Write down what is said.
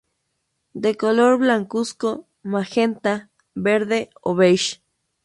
De color blancuzco, magenta, verde o beige.